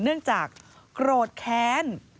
เนื่องจากโกรธแค้น